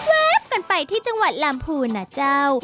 แป๊บกันไปที่จังหวัดลำพูนนะเจ้า